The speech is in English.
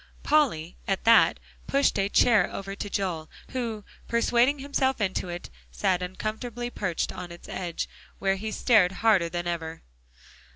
Polly at that, pushed a chair over toward Joel, who persuading himself into it, sat uncomfortably perched on its edge, where he stared harder than ever.